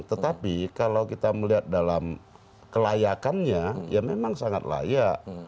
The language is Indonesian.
tetapi kalau kita melihat dalam kelayakannya ya memang sangat layak